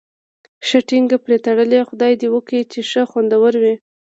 ښه ټینګ پرې تړلی، خدای دې وکړي چې ښه خوندور وي.